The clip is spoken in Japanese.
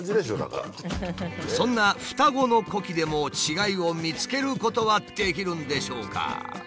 そんな双子の呼気でも違いを見つけることはできるんでしょうか？